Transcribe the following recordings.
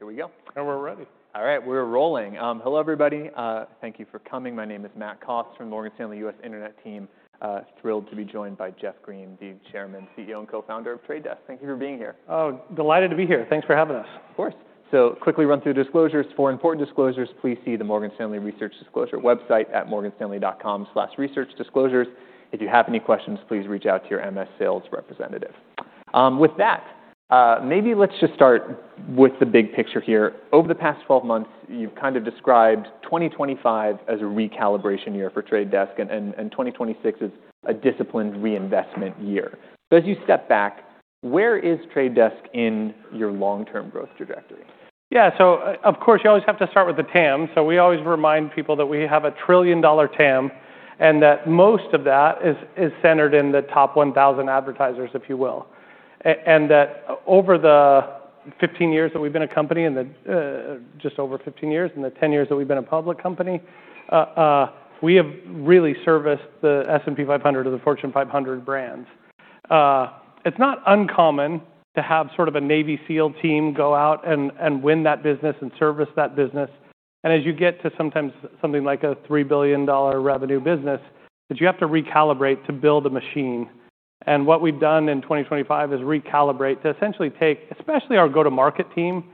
Okay. Here we go. We're ready. All right, we're rolling. Hello, everybody. Thank you for coming. My name is Matt Cost from Morgan Stanley U.S. Internet team. thrilled to be joined by Jeff Green, the Chairman, CEO, and Co-founder of The Trade Desk. Thank you for being here. Oh, delighted to be here. Thanks for having us. Of course. Quickly run through disclosures. For important disclosures, please see the Morgan Stanley Research Disclosure website at morganstanley.com/researchdisclosures. If you have any questions, please reach out to your MS sales representative. With that, maybe let's just start with the big picture here. Over the past 12 months, you've kind of described 2025 as a recalibration year for Trade Desk and 2026 as a disciplined reinvestment year. As you step back, where is Trade Desk in your long-term growth trajectory? Of course, you always have to start with the TAM. We always remind people that we have a $1 trillion TAM, and that most of that is centered in the top 1,000 advertisers, if you will. And that over the 15 years that we've been a company, and the just over 15 years, and the 10 years that we've been a public company, we have really serviced the S&P 500 or the Fortune 500 brands. It's not uncommon to have sort of a Navy SEAL team go out and win that business and service that business. As you get to sometimes something like a $3 billion revenue business, that you have to recalibrate to build a machine. What we've done in 2025 is recalibrate to essentially take, especially our go-to-market team,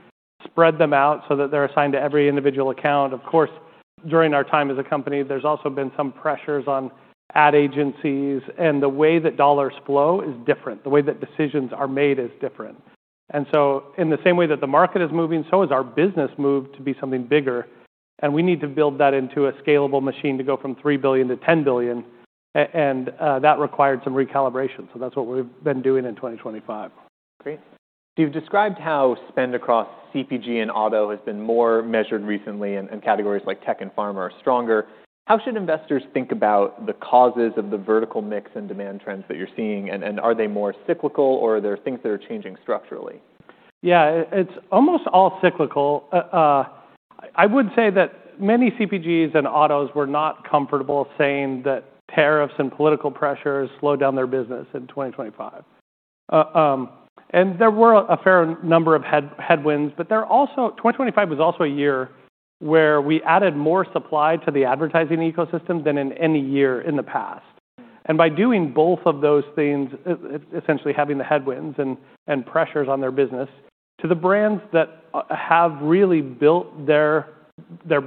spread them out so that they're assigned to every individual account. Of course, during our time as a company, there's also been some pressures on ad agencies, and the way that dollars flow is different. The way that decisions are made is different. In the same way that the market is moving, so has our business moved to be something bigger, and we need to build that into a scalable machine to go from $3 billion to $10 billion and that required some recalibration. That's what we've been doing in 2025. Great. You've described how spend across CPG and auto has been more measured recently and categories like tech and pharma are stronger. How should investors think about the causes of the vertical mix and demand trends that you're seeing, and are they more cyclical or are there things that are changing structurally? Yeah. It's almost all cyclical. I would say that many CPGs and autos were not comfortable saying that tariffs and political pressures slowed down their business in 2025. there were a fair number of headwinds, but there are also. 2025 was also a year where we added more supply to the advertising ecosystem than in any year in the past. by doing both of those things, essentially having the headwinds and pressures on their business, to the brands that have really built their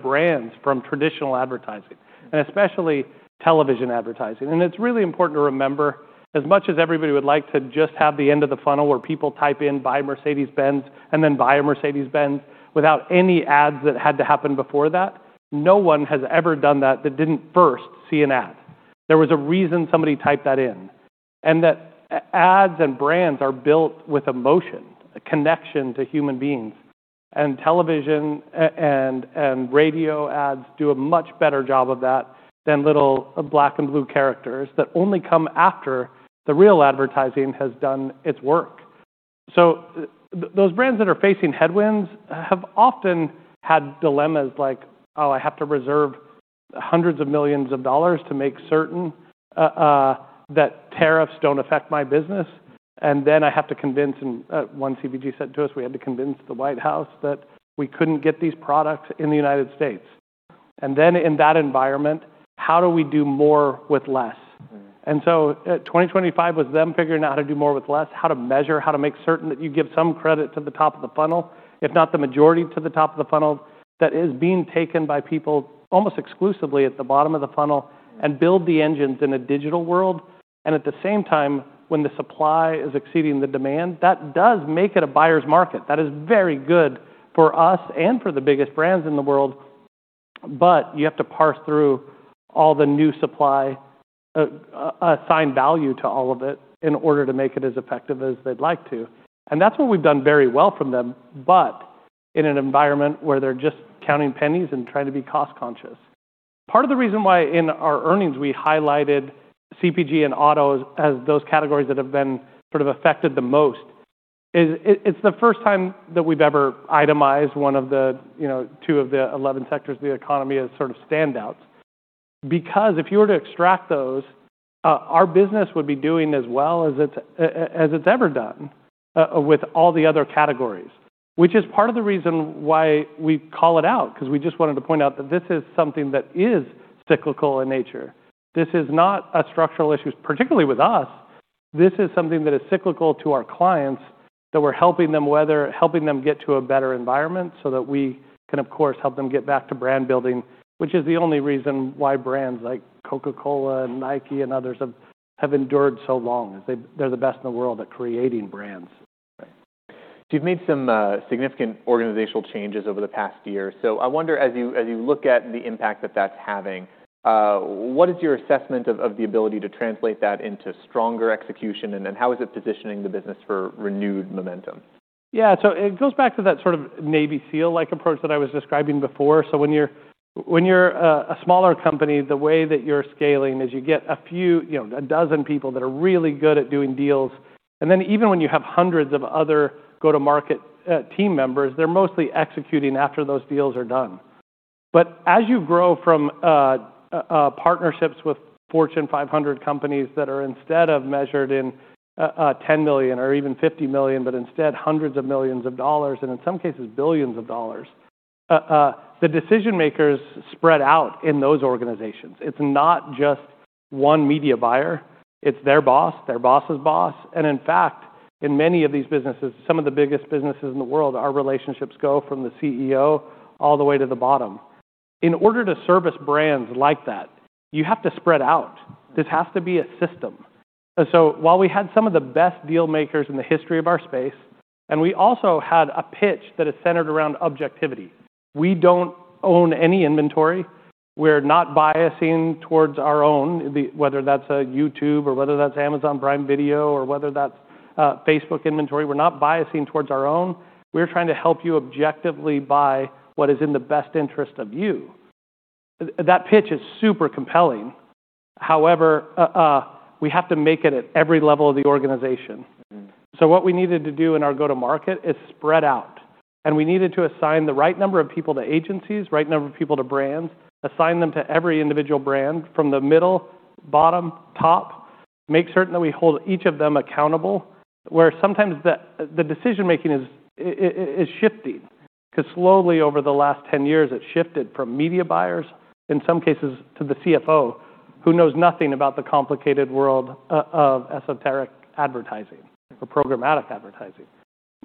brands from traditional advertising, and especially television advertising. It's really important to remember, as much as everybody would like to just have the end of the funnel where people type in, "Buy Mercedes-Benz," and then buy a Mercedes-Benz without any ads that had to happen before that, no one has ever done that that didn't first see an ad. There was a reason somebody typed that in. That ads and brands are built with emotion, a connection to human beings. Television and radio ads do a much better job of that than little black and blue characters that only come after the real advertising has done its work. Those brands that are facing headwinds have often had dilemmas like, "Oh, I have to reserve hundreds of millions of dollars to make certain that tariffs don't affect my business. I have to convince..." one CPG said to us, "We had to convince the White House that we couldn't get these products in the United States." In that environment, how do we do more with less? Mm-hmm. 2025 was them figuring out how to do more with less, how to measure, how to make certain that you give some credit to the top of the funnel, if not the majority to the top of the funnel, that is being taken by people almost exclusively at the bottom of the funnel and build the engines in a digital world. At the same time, when the supply is exceeding the demand, that does make it a buyer's market. That is very good for us and for the biggest brands in the world, but you have to parse through all the new supply, assign value to all of it in order to make it as effective as they'd like to. That's what we've done very well from them, but in an environment where they're just counting pennies and trying to be cost-conscious. Part of the reason why in our earnings we highlighted CPG and autos as those categories that have been sort of affected the most is it's the first time that we've ever itemized one of the, you know, two of the 11 sectors of the economy as sort of standouts. If you were to extract those, our business would be doing as well as it's ever done with all the other categories. Part of the reason why we call it out, 'cause we just wanted to point out that this is something that is cyclical in nature. This is not a structural issue, particularly with us. This is something that is cyclical to our clients, that we're helping them weather, helping them get to a better environment so that we can, of course, help them get back to brand building, which is the only reason why brands like Coca-Cola and Nike and others have endured so long, is they're the best in the world at creating brands. Right. You've made some significant organizational changes over the past year. I wonder as you look at the impact that that's having, what is your assessment of the ability to translate that into stronger execution, and then how is it positioning the business for renewed momentum? It goes back to that sort of Navy SEAL-like approach that I was describing before. When you're a smaller company, the way that you're scaling is you get a few, you know, a dozen people that are really good at doing deals, and then even when you have hundreds of other go-to-market team members, they're mostly executing after those deals are done. As you grow from partnerships with Fortune 500 companies that are instead of measured in $10 million or even $50 million, but instead hundreds of millions of dollars, and in some cases billions of dollars, the decision-makers spread out in those organizations. It's not just one media buyer, it's their boss, their boss's boss. In fact, in many of these businesses, some of the biggest businesses in the world, our relationships go from the CEO all the way to the bottom. In order to service brands like that, you have to spread out. This has to be a system. While we had some of the best deal makers in the history of our space, and we also had a pitch that is centered around objectivity. We don't own any inventory. We're not biasing towards our own, whether that's a YouTube or whether that's Amazon Prime Video or whether that's Facebook inventory. We're not biasing towards our own. We're trying to help you objectively buy what is in the best interest of you. That pitch is super compelling. However, we have to make it at every level of the organization. Mm-hmm. What we needed to do in our go-to-market is spread out, and we needed to assign the right number of people to agencies, right number of people to brands, assign them to every individual brand from the middle, bottom, top. Make certain that we hold each of them accountable, where sometimes the decision-making is shifting. Because slowly over the last 10 years, it's shifted from media buyers, in some cases to the CFO, who knows nothing about the complicated world of esoteric advertising or programmatic advertising.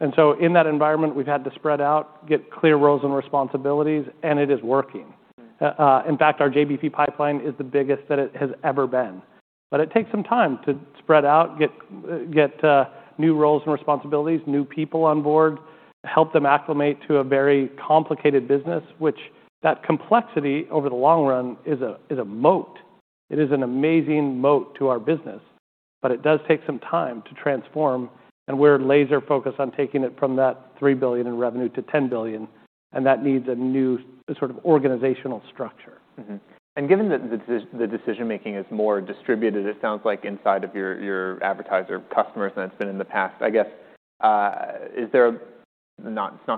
In that environment, we've had to spread out, get clear roles and responsibilities, and it is working. Mm-hmm. In fact, our JBP pipeline is the biggest that it has ever been. It takes some time to spread out, new roles and responsibilities, new people on board, help them acclimate to a very complicated business, which that complexity over the long run is a moat. It is an amazing moat to our business, but it does take some time to transform, and we're laser-focused on taking it from that $3 billion in revenue to $10 billion, and that needs a new sort of organizational structure. Mm-hmm. Given that the decision-making is more distributed, it sounds like inside of your advertiser customers than it's been in the past. I guess, not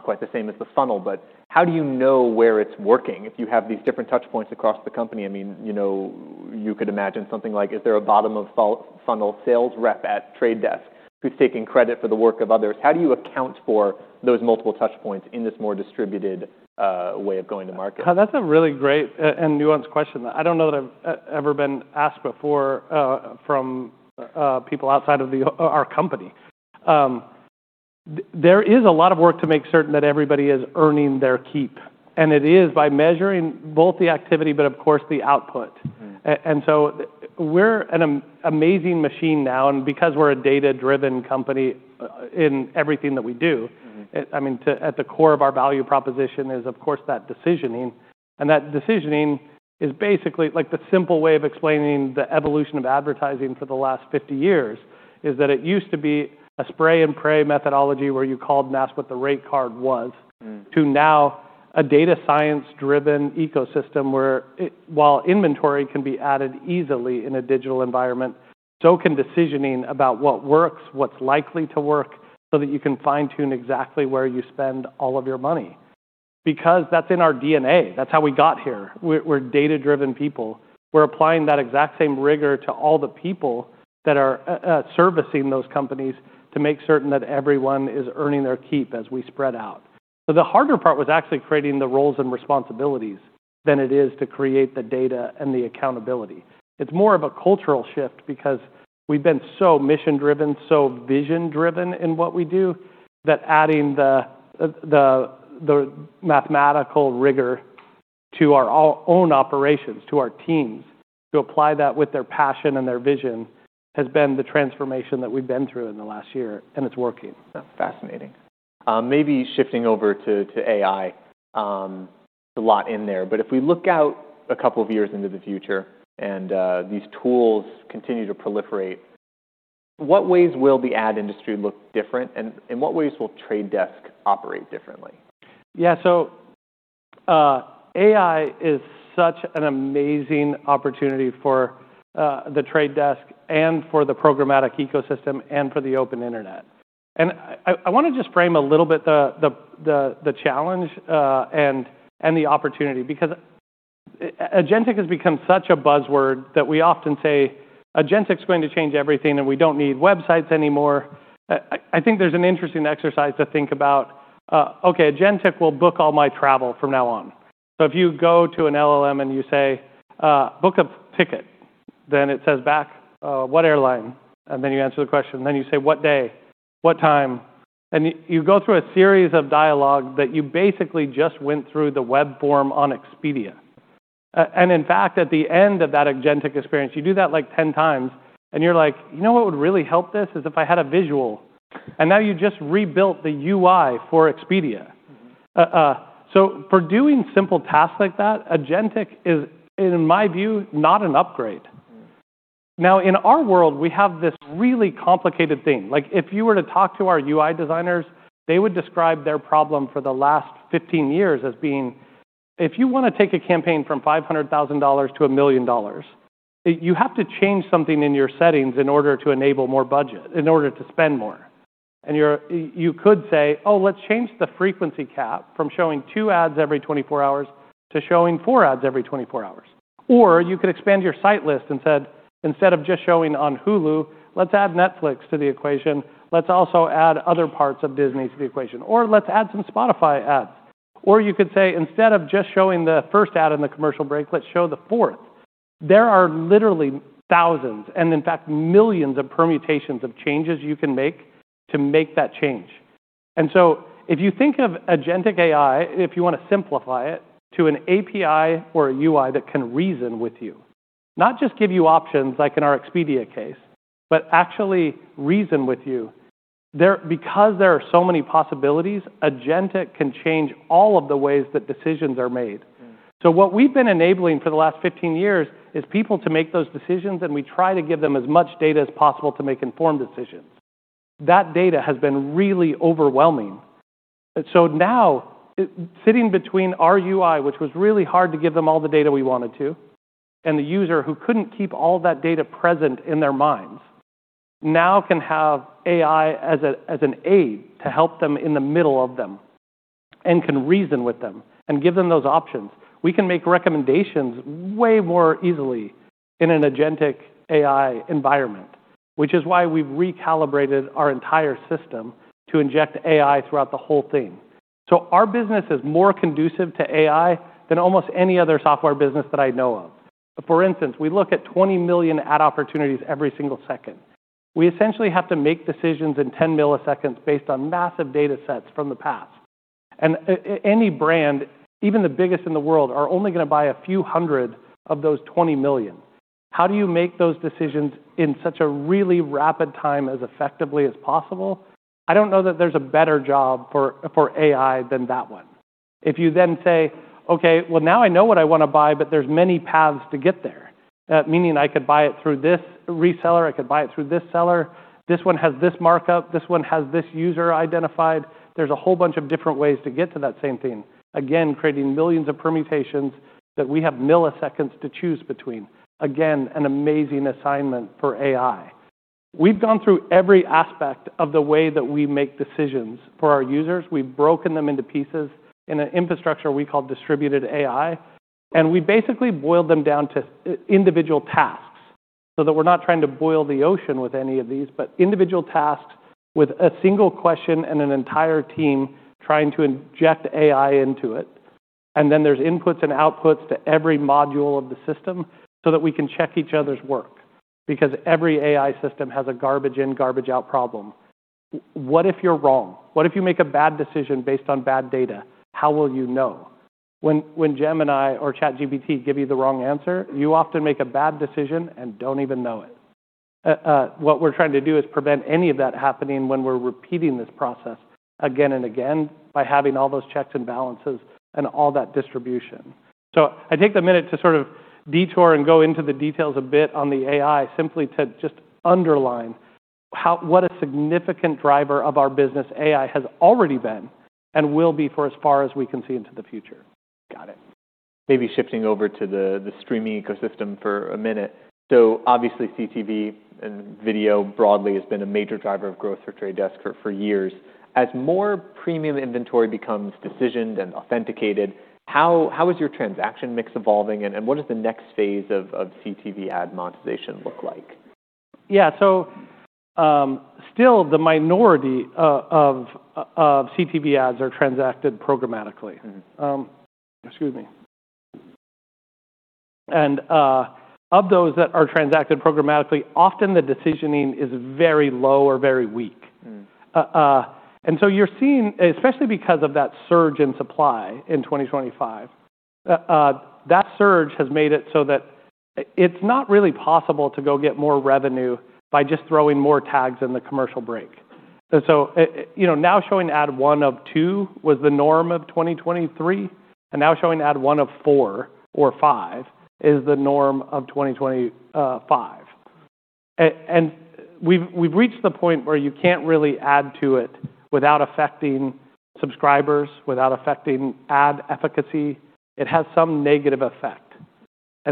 quite the same as the funnel, but how do you know where it's working if you have these different touch points across the company? I mean, you know, you could imagine something like, is there a bottom-of-funnel sales rep at The Trade Desk who's taking credit for the work of others? How do you account for those multiple touch points in this more distributed way of going to market? That's a really great and nuanced question. I don't know that I've ever been asked before, from people outside of our company. There is a lot of work to make certain that everybody is earning their keep, and it is by measuring both the activity, but of course, the output. Mm-hmm. We're an amazing machine now, and because we're a data-driven company in everything that we do. Mm-hmm I mean, at the core of our value proposition is, of course, that decisioning. That decisioning is basically like the simple way of explaining the evolution of advertising for the last 50 years, is that it used to be a spray-and-pray methodology where you called and asked what the rate card was. Mm-hmm. To now a data science-driven ecosystem where while inventory can be added easily in a digital environment, so can decisioning about what works, what's likely to work, so that you can fine-tune exactly where you spend all of your money. That's in our DNA. That's how we got here. We're data-driven people. We're applying that exact same rigor to all the people that are servicing those companies to make certain that everyone is earning their keep as we spread out. The harder part was actually creating the roles and responsibilities than it is to create the data and the accountability. It's more of a cultural shift because we've been so mission-driven, so vision-driven in what we do that adding the mathematical rigor to our own operations, to our teams, to apply that with their passion and their vision has been the transformation that we've been through in the last year, and it's working. That's fascinating. Maybe shifting over to AI, a lot in there. If we look out a couple of years into the future and these tools continue to proliferate, what ways will the ad industry look different and what ways will The Trade Desk operate differently? Yeah. AI is such an amazing opportunity for The Trade Desk and for the programmatic ecosystem and for the open internet. I wanna just frame a little bit the challenge and the opportunity because agentic has become such a buzzword that we often say agentic is going to change everything and we don't need websites anymore. I think there's an interesting exercise to think about, okay, agentic will book all my travel from now on. If you go to an LLM and you say, "Book a ticket," then it says back, "What airline?" Then you answer the question, then you say, "What day? What time?" You go through a series of dialogue that you basically just went through the web form on Expedia. In fact, at the end of that agentic experience, you do that like 10x and you're like, "You know what would really help this is if I had a visual." Now you just rebuilt the UI for Expedia. Mm-hmm. For doing simple tasks like that, agentic is, in my view, not an upgrade. Mm-hmm. In our world, we have this really complicated thing. Like, if you were to talk to our U.I. designers, they would describe their problem for the last 15 years as being if you want to take a campaign from $500,000 to $1 million, you have to change something in your settings in order to enable more budget, in order to spend more. You could say, "Oh, let's change the frequency cap from showing two ads every 24 hours to showing four ads every 24 hours." You could expand your site list and said, "Instead of just showing on Hulu, let's add Netflix to the equation. Let's also add other parts of Disney to the equation. Let's add some Spotify ads. You could say, "Instead of just showing the first ad in the commercial break, let's show the fourth." There are literally thousands, and in fact, millions of permutations of changes you can make to make that change. If you think of agentic AI, if you wanna simplify it to an API or a UI that can reason with you, not just give you options like in our Expedia case, but actually reason with you. Because there are so many possibilities, agentic can change all of the ways that decisions are made. Mm-hmm. What we've been enabling for the last 15 years is people to make those decisions, and we try to give them as much data as possible to make informed decisions. That data has been really overwhelming. Now sitting between our UI, which was really hard to give them all the data we wanted to, and the user who couldn't keep all that data present in their minds, now can have AI as an aid to help them in the middle of them and can reason with them and give them those options. We can make recommendations way more easily in an agentic AI environment, which is why we've recalibrated our entire system to inject AI throughout the whole thing. Our business is more conducive to AI than almost any other software business that I know of. For instance, we look at 20 million ad opportunities every single second. We essentially have to make decisions in 10 ms based on massive datasets from the past. Any brand, even the biggest in the world, are only gonna buy a few hundred of those 20 million. How do you make those decisions in such a really rapid time as effectively as possible? I don't know that there's a better job for AI than that one. If you then say, "Okay, well, now I know what I wanna buy, but there's many paths to get there," meaning I could buy it through this reseller, I could buy it through this seller. This one has this markup, this one has this user identified. There's a whole bunch of different ways to get to that same thing. Again, creating millions of permutations that we have milliseconds to choose between. An amazing assignment for AI. We've gone through every aspect of the way that we make decisions for our users. We've broken them into pieces in an infrastructure we call distributed AI. We basically boiled them down to individual tasks so that we're not trying to boil the ocean with any of these, but individual tasks with a single question and an entire team trying to inject AI into it. Then there's inputs and outputs to every module of the system so that we can check each other's work because every AI system has a garbage in, garbage out problem. What if you're wrong? What if you make a bad decision based on bad data? How will you know? When Gemini or ChatGPT give you the wrong answer, you often make a bad decision and don't even know it. What we're trying to do is prevent any of that happening when we're repeating this process again and again by having all those checks and balances and all that distribution. I take the minute to sort of detour and go into the details a bit on the AI simply to just underline what a significant driver of our business AI has already been and will be for as far as we can see into the future. Got it. Maybe shifting over to the streaming ecosystem for a minute. Obviously, CTV and video broadly has been a major driver of growth for The Trade Desk for years. As more premium inventory becomes decisioned and authenticated, how is your transaction mix evolving and what does the next phase of CTV ad monetization look like? Yeah. still the minority of CTV ads are transacted programmatically. Mm-hmm. Excuse me. Of those that are transacted programmatically, often the decisioning is very low or very weak. Mm-hmm. So you're seeing, especially because of that surge in supply in 2025, that surge has made it so that it's not really possible to go get more revenue by just throwing more tags in the commercial break. So, you know, now showing ad 1 of 2 was the norm of 2023, and now showing ad 1 of 4 or 5 is the norm of 2025. We've reached the point where you can't really add to it without affecting subscribers, without affecting ad efficacy. It has some negative effect.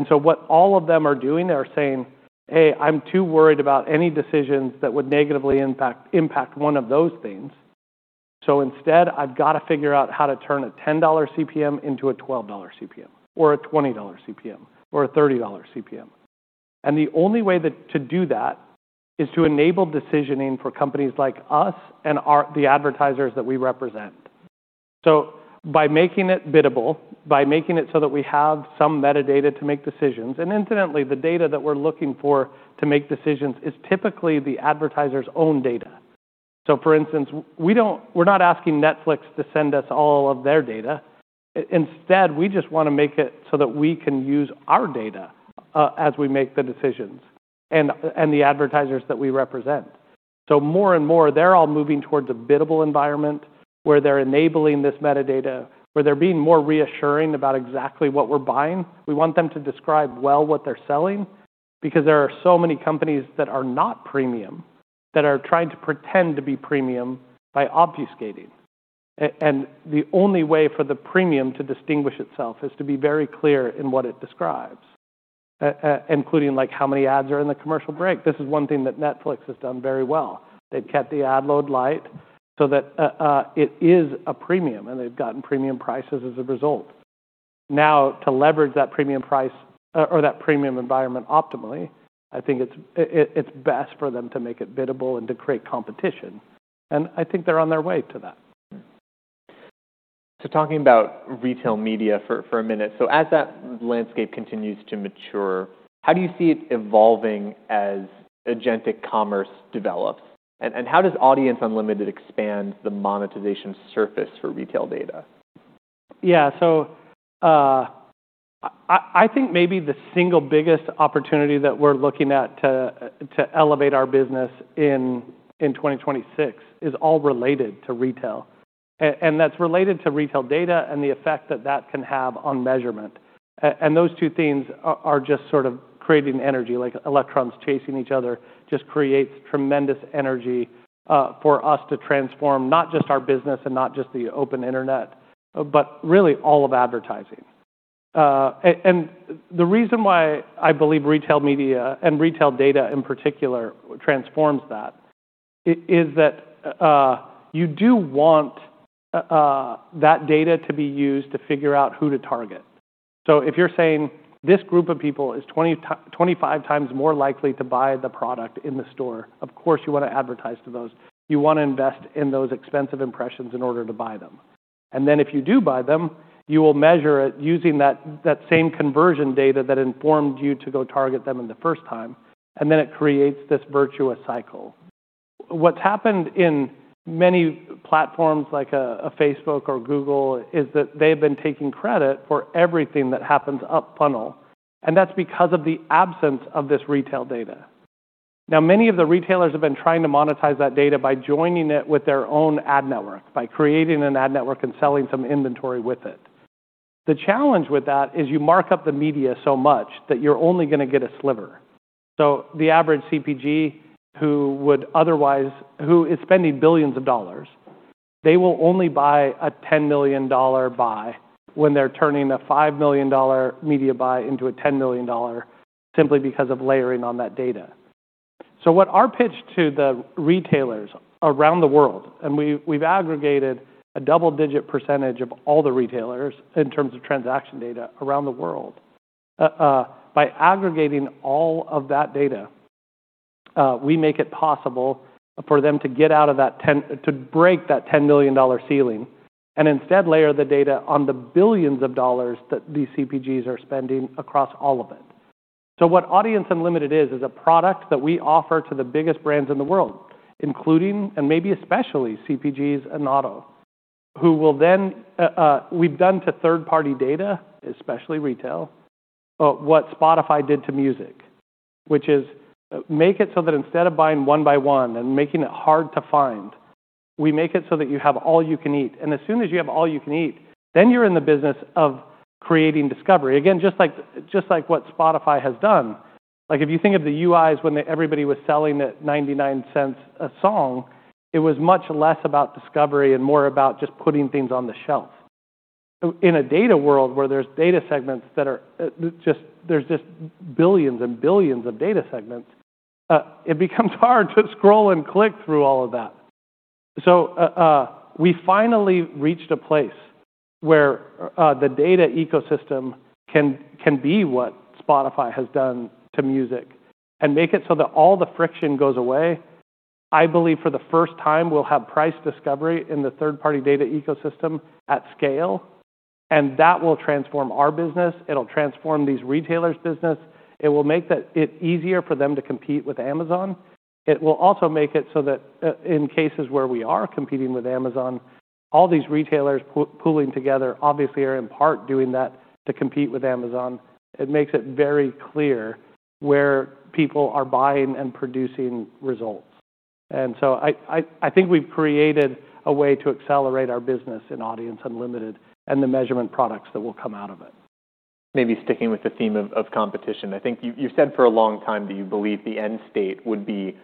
So what all of them are doing, they're saying, "Hey, I'm too worried about any decisions that would negatively impact one of those things. Instead, I've got to figure out how to turn a $10 CPM into a $12 CPM or a $20 CPM or a $30 CPM. The only way that to do that is to enable decisioning for companies like us and our the advertisers that we represent. By making it biddable, by making it so that we have some metadata to make decisions, and incidentally, the data that we're looking for to make decisions is typically the advertiser's own data. For instance, we're not asking Netflix to send us all of their data. Instead, we just wanna make it so that we can use our data as we make the decisions and the advertisers that we represent. More and more, they're all moving towards a biddable environment where they're enabling this metadata, where they're being more reassuring about exactly what we're buying. We want them to describe well what they're selling because there are so many companies that are not premium that are trying to pretend to be premium by obfuscating. The only way for the premium to distinguish itself is to be very clear in what it describes. Including like how many ads are in the commercial break. This is one thing that Netflix has done very well. They've kept the ad load light so that it is a premium, and they've gotten premium prices as a result. To leverage that premium price or that premium environment optimally, I think it's best for them to make it biddable and to create competition, and I think they're on their way to that. Talking about retail media for a minute. As that landscape continues to mature, how do you see it evolving as agentic commerce develops? How does Audience Unlimited expand the monetization surface for retail data? Yeah. I think maybe the single biggest opportunity that we're looking at to elevate our business in 2026 is all related to retail. That's related to retail data and the effect that that can have on measurement. Those two things are just sort of creating energy, like electrons chasing each other just creates tremendous energy for us to transform not just our business and not just the open internet, but really all of advertising. The reason why I believe retail media and retail data, in particular, transforms that is that you do want that data to be used to figure out who to target. If you're saying this group of people is 25x more likely to buy the product in the store, of course, you wanna advertise to those. You wanna invest in those expensive impressions in order to buy them. If you do buy them, you will measure it using that same conversion data that informed you to go target them in the first time, and then it creates this virtuous cycle. What's happened in many platforms like a Facebook or Google is that they have been taking credit for everything that happens up funnel, and that's because of the absence of this retail data. Many of the retailers have been trying to monetize that data by joining it with their own ad network, by creating an ad network and selling some inventory with it. The challenge with that is you mark up the media so much that you're only gonna get a sliver. The average CPG who is spending billions, they will only buy a $10 million buy when they're turning a $5 million media buy into a $10 million simply because of layering on that data. So what happens to the retailers around the world and we've aggregated a double digit percentage of all the retailers in terms of transaction data around the world by aggregating all of that data, we make it possible for them to get out of that to break that $10 million ceiling and instead layer the data on the billions that these CPGs are spending across all of it. What Audience Unlimited is a product that we offer to the biggest brands in the world, including and maybe especially CPGs and auto, who will then... We've done to third-party data, especially retail, what Spotify did to music, which is make it so that instead of buying one by one and making it hard to find, we make it so that you have all you can eat. As soon as you have all you can eat, then you're in the business of creating discovery. Again, just like, just like what Spotify has done. Like, if you think of the UIs when everybody was selling at $0.99 a song, it was much less about discovery and more about just putting things on the shelf. In a data world where there's data segments that are, there's just billions and billions of data segments, it becomes hard to scroll and click through all of that. We finally reached a place where the data ecosystem can be what Spotify has done to music and make it so that all the friction goes away. I believe for the first time we'll have price discovery in the third-party data ecosystem at scale. That will transform our business. It'll transform these retailers' business. It will make it easier for them to compete with Amazon. It will also make it so that in cases where we are competing with Amazon, all these retailers pooling together obviously are in part doing that to compete with Amazon. It makes it very clear where people are buying and producing results. I think we've created a way to accelerate our business in Audience Unlimited and the measurement products that will come out of it. Maybe sticking with the theme of competition. I think you've said for a long time that you believe the end state would be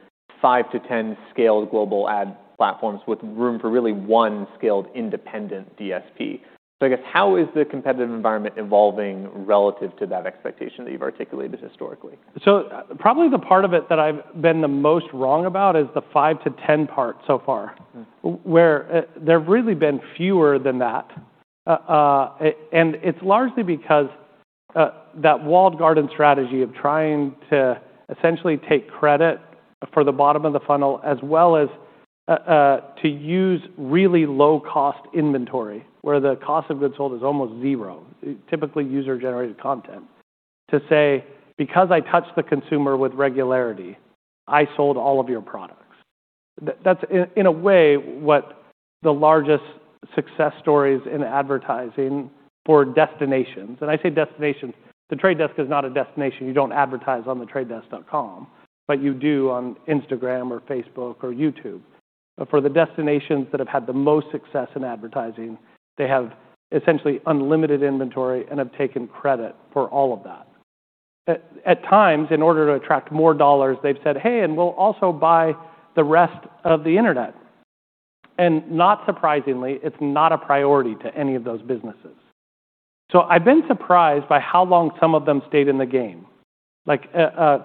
5-10 scaled global ad platforms with room for really one scaled independent DSP. How is the competitive environment evolving relative to that expectation that you've articulated historically? Probably the part of it that I've been the most wrong about is the 5-10 part so far. Mm-hmm. Where there have really been fewer than that. It's largely because that walled garden strategy of trying to essentially take credit for the bottom of the funnel as well as to use really low-cost inventory where the cost of goods sold is almost zero, typically user-generated content, to say, "Because I touch the consumer with regularity, I sold all of your products." That's in a way what the largest success stories in advertising for destinations. I say destinations. The Trade Desk is not a destination. You don't advertise on thetradedesk.com, but you do on Instagram or Facebook or YouTube. For the destinations that have had the most success in advertising, they have essentially unlimited inventory and have taken credit for all of that. At times, in order to attract more dollars, they've said, "Hey, and we'll also buy the rest of the internet." Not surprisingly, it's not a priority to any of those businesses. I've been surprised by how long some of them stayed in the game. Like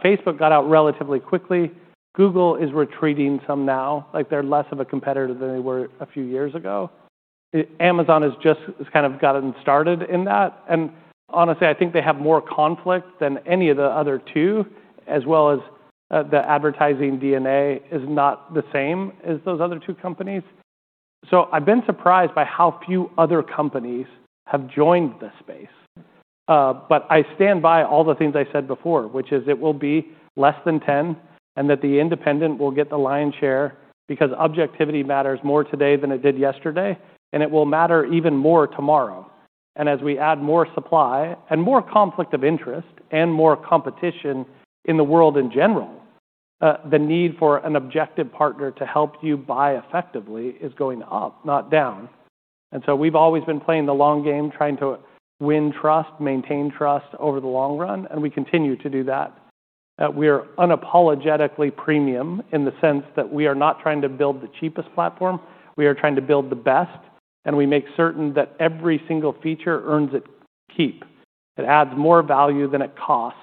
Facebook got out relatively quickly. Google is retreating some now, like they're less of a competitor than they were a few years ago. Amazon has kind of gotten started in that, and honestly, I think they have more conflict than any of the other two, as well as the advertising DNA is not the same as those other two companies. I've been surprised by how few other companies have joined this space. I stand by all the things I said before, which is it will be less than 10 and that the independent will get the lion's share because objectivity matters more today than it did yesterday, and it will matter even more tomorrow. As we add more supply and more conflict of interest and more competition in the world in general, the need for an objective partner to help you buy effectively is going up, not down. We've always been playing the long game, trying to win trust, maintain trust over the long run, and we continue to do that. We're unapologetically premium in the sense that we are not trying to build the cheapest platform. We are trying to build the best, and we make certain that every single feature earns its keep. It adds more value than it costs,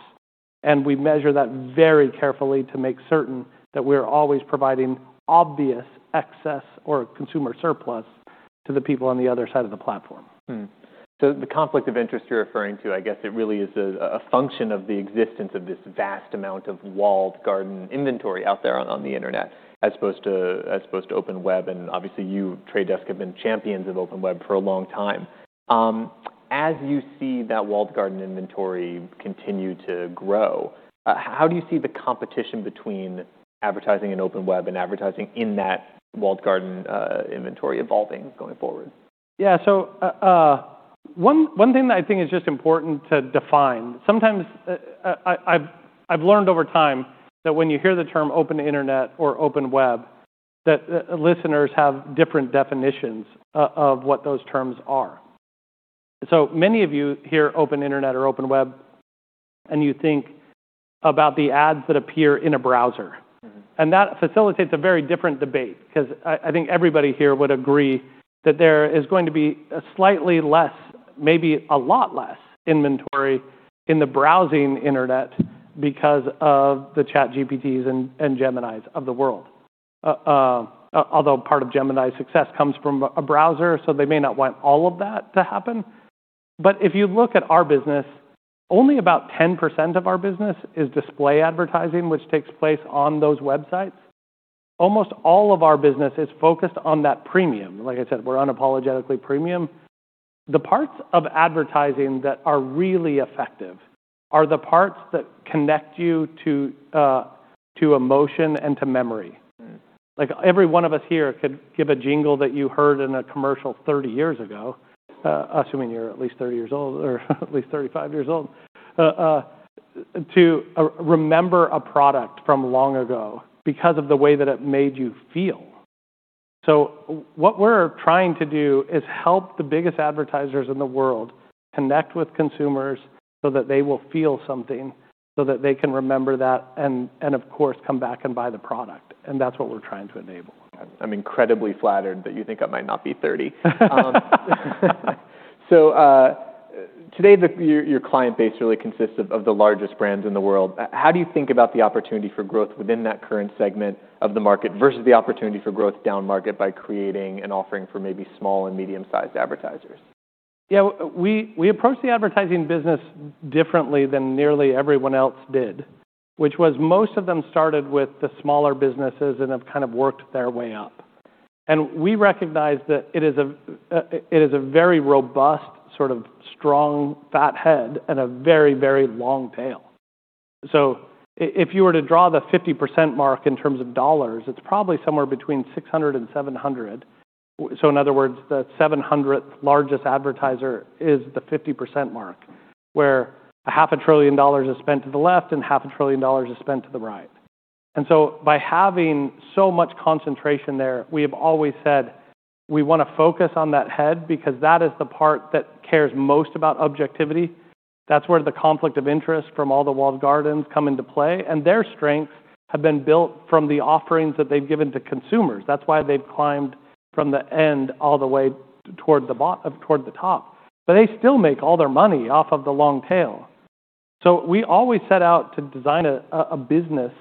and we measure that very carefully to make certain that we're always providing obvious excess or consumer surplus to the people on the other side of the platform. The conflict of interest you're referring to, I guess it really is a function of the existence of this vast amount of walled garden inventory out there on the Internet as opposed to open web, and obviously, you, The Trade Desk, have been champions of open web for a long time. As you see that walled garden inventory continue to grow, how do you see the competition between advertising and open web and advertising in that walled garden inventory evolving going forward? One thing that I think is just important to define, sometimes, I've learned over time that when you hear the term open internet or open web, that listeners have different definitions of what those terms are. Many of you hear open internet or open web, and you think about the ads that appear in a browser. Mm-hmm. That facilitates a very different debate because I think everybody here would agree that there is going to be a slightly less, maybe a lot less inventory in the browsing internet because of the ChatGPTs and Geminis of the world. Although part of Gemini's success comes from a browser, so they may not want all of that to happen. If you look at our business, only about 10% of our business is display advertising, which takes place on those websites. Almost all of our business is focused on that premium. Like I said, we're unapologetically premium. The parts of advertising that are really effective are the parts that connect you to emotion and to memory. Mm-hmm. Every one of us here could give a jingle that you heard in a commercial 30 years ago, assuming you're at least 30 years old or at least 35 years old, to remember a product from long ago because of the way that it made you feel. What we're trying to do is help the biggest advertisers in the world connect with consumers so that they will feel something, so that they can remember that and of course, come back and buy the product. That's what we're trying to enable. I'm incredibly flattered that you think I might not be 30. Today, your client base really consists of the largest brands in the world. How do you think about the opportunity for growth within that current segment of the market versus the opportunity for growth downmarket by creating an offering for maybe small and medium-sized advertisers? Yeah. We approach the advertising business differently than nearly everyone else did, which was most of them started with the smaller businesses and have kind of worked their way up. We recognize that it is a very robust, sort of strong, fat head and a very long tail. If you were to draw the 50% mark in terms of dollars, it's probably somewhere between 600 and 700. In other words, the 700th largest advertiser is the 50% mark, where half a trillion dollars is spent to the left and half a trillion dollars is spent to the right. By having so much concentration there, we have always said we wanna focus on that head because that is the part that cares most about objectivity. That's where the conflict of interest from all the walled gardens come into play. Their strengths have been built from the offerings that they've given to consumers. That's why they've climbed from the end all the way toward the top. They still make all their money off of the long tail. We always set out to design a business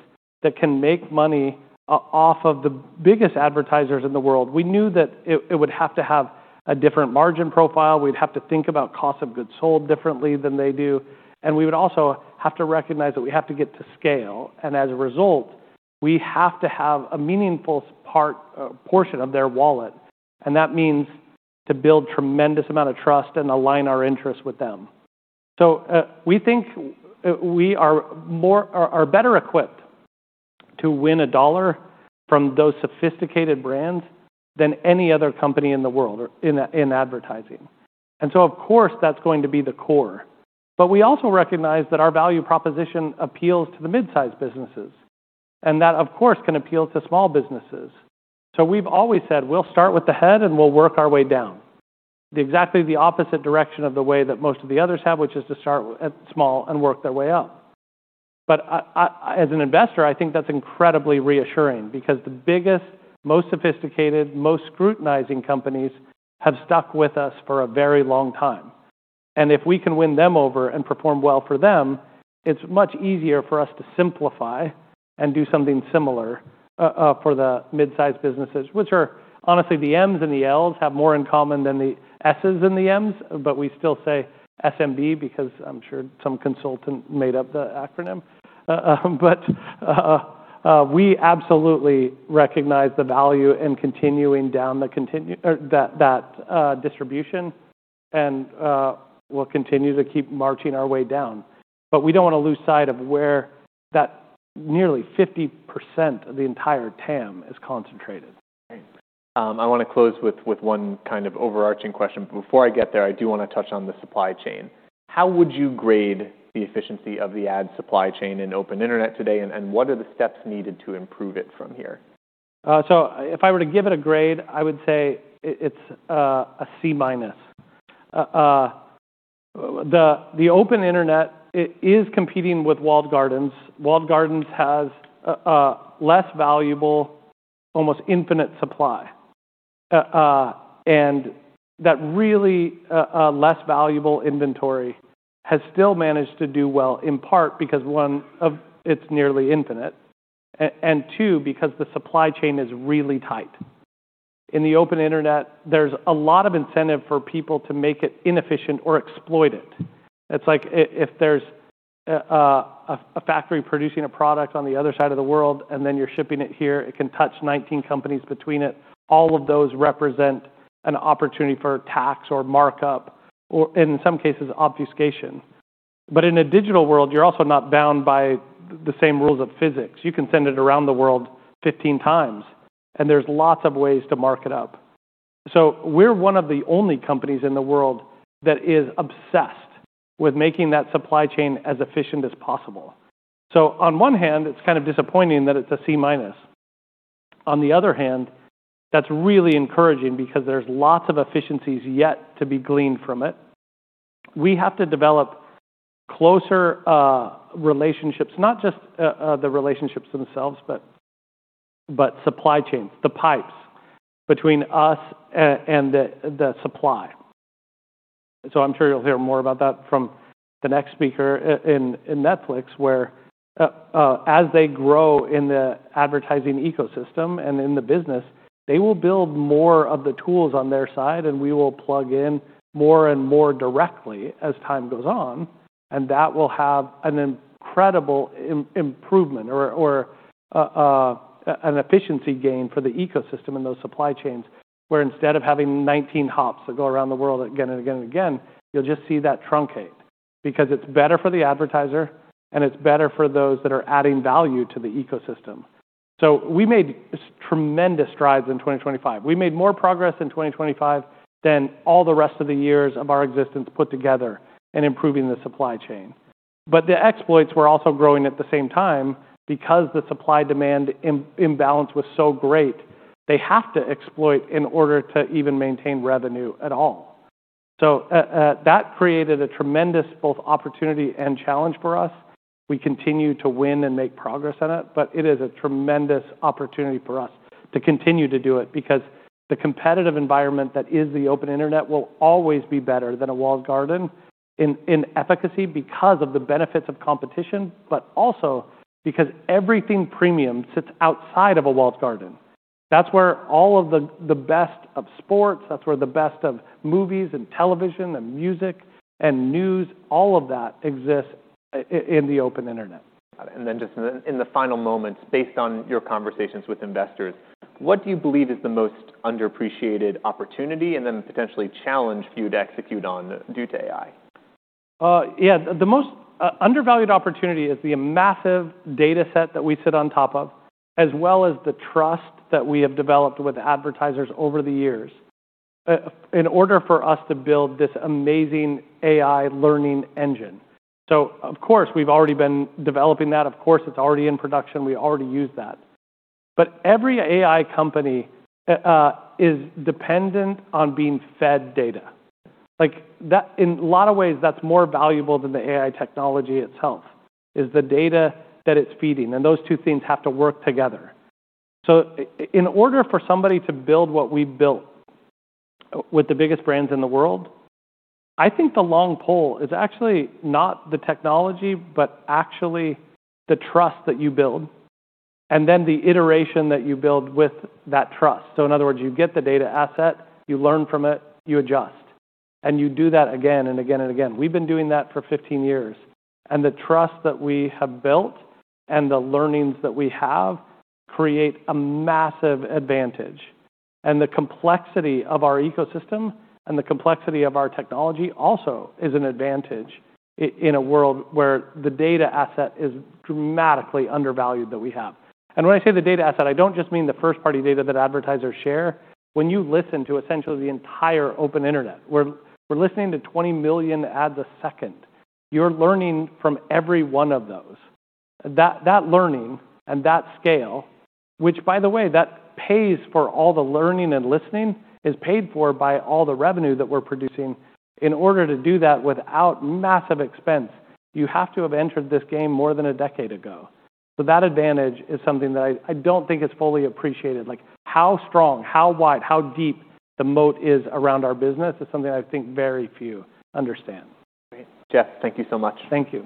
that can make money off of the biggest advertisers in the world. We knew that it would have to have a different margin profile. We'd have to think about cost of goods sold differently than they do. We would also have to recognize that we have to get to scale, and as a result, we have to have a meaningful part, portion of their wallet. That means to build tremendous amount of trust and align our interests with them. We think we are better equipped to win $1 from those sophisticated brands than any other company in the world or in advertising. Of course, that's going to be the core. We also recognize that our value proposition appeals to the mid-sized businesses, and that of course, can appeal to small businesses. We've always said we'll start with the head and we'll work our way down. The exactly the opposite direction of the way that most of the others have, which is to start at small and work their way up. As an investor, I think that's incredibly reassuring because the biggest, most sophisticated, most scrutinizing companies have stuck with us for a very long time. If we can win them over and perform well for them, it's much easier for us to simplify and do something similar for the mid-sized businesses, which are honestly, the M's and the L's have more in common than the S's and the M's, but we still say SMB because I'm sure some consultant made up the acronym. We absolutely recognize the value in continuing down or that distribution and we'll continue to keep marching our way down. We don't wanna lose sight of where that nearly 50% of the entire TAM is concentrated. Right. I wanna close with one kind of overarching question. Before I get there, I do wanna touch on the supply chain. How would you grade the efficiency of the ad supply chain in open internet today, and what are the steps needed to improve it from here? If I were to give it a grade, I would say it's a C-. The open internet is competing with walled gardens. Walled gardens has a less valuable, almost infinite supply. And that really less valuable inventory has still managed to do well, in part because, one, it's nearly infinite, and two, because the supply chain is really tight. In the open internet, there's a lot of incentive for people to make it inefficient or exploit it. It's like if there's a factory producing a product on the other side of the world, and then you're shipping it here, it can touch 19 companies between it. All of those represent an opportunity for tax or markup or in some cases, obfuscation. In a digital world, you're also not bound by the same rules of physics. You can send it around the world 15x, and there's lots of ways to mark it up. We're one of the only companies in the world that is obsessed with making that supply chain as efficient as possible. On one hand, it's kind of disappointing that it's a C-. On the other hand, that's really encouraging because there's lots of efficiencies yet to be gleaned from it. We have to develop closer relationships, not just the relationships themselves, but supply chains, the pipes between us and the supply. I'm sure you'll hear more about that from the next speaker in Netflix, where, as they grow in the advertising ecosystem and in the business, they will build more of the tools on their side, and we will plug in more and more directly as time goes on, and that will have an incredible improvement or, an efficiency gain for the ecosystem and those supply chains, where instead of having 19 hops that go around the world again and again and again, you'll just see that truncate because it's better for the advertiser and it's better for those that are adding value to the ecosystem. We made tremendous strides in 2025. We made more progress in 2025 than all the rest of the years of our existence put together in improving the supply chain. The exploits were also growing at the same time because the supply-demand imbalance was so great, they have to exploit in order to even maintain revenue at all. That created a tremendous both opportunity and challenge for us. We continue to win and make progress on it, but it is a tremendous opportunity for us to continue to do it because the competitive environment that is the open internet will always be better than a walled garden in efficacy because of the benefits of competition, but also because everything premium sits outside of a walled garden. That's where all of the best of sports, that's where the best of movies and television and music and news, all of that exists in the open internet. Just in the final moments, based on your conversations with investors, what do you believe is the most underappreciated opportunity and then potentially challenge for you to execute on due to AI? Yeah. The most undervalued opportunity is the massive data set that we sit on top of, as well as the trust that we have developed with advertisers over the years, in order for us to build this amazing AI learning engine. Of course, we've already been developing that. Of course, it's already in production. We already use that. Every AI company is dependent on being fed data. Like, in a lot of ways, that's more valuable than the AI technology itself, is the data that it's feeding, and those two things have to work together. In order for somebody to build what we've built with the biggest brands in the world, I think the long pole is actually not the technology, but actually the trust that you build and then the iteration that you build with that trust. In other words, you get the data asset, you learn from it, you adjust, and you do that again and again and again. We've been doing that for 15 years, and the trust that we have built and the learnings that we have create a massive advantage. The complexity of our ecosystem and the complexity of our technology also is an advantage in a world where the data asset is dramatically undervalued that we have. When I say the data asset, I don't just mean the first-party data that advertisers share. When you listen to essentially the entire open internet, we're listening to 20 million ads a second. You're learning from every one of those. That learning and that scale, which by the way, that pays for all the learning and listening, is paid for by all the revenue that we're producing. In order to do that without massive expense, you have to have entered this game more than a decade ago. That advantage is something that I don't think it's fully appreciated. Like how strong, how wide, how deep the moat is around our business is something I think very few understand. Great. Jeff, thank you so much. Thank you.